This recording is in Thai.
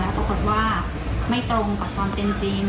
ปรากฏว่าไม่ตรงกับความเป็นจริง